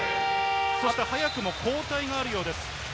早くも交代があるようです。